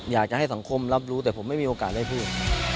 อยากจะให้สังคมรับรู้แต่ผมไม่มีโอกาสได้พูด